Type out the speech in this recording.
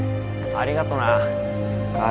ありがとな桃子。